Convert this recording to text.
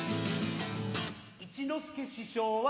一之輔師匠は